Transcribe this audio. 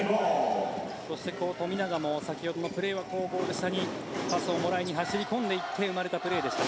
そして富永も先ほどのプレーはパスをもらいに走り込んで生まれたプレーでした。